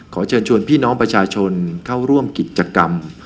ขอเชิญชวนพี่น้องประชาชนเข้าร่วมกิจกรรม